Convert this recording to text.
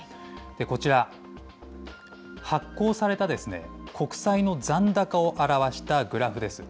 こちら、発行された国債の残高を表したグラフです。